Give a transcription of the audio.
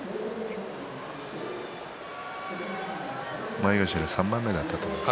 前頭３枚目だったと思います。